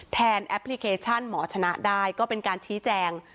แอปพลิเคชันหมอชนะได้ก็เป็นการชี้แจง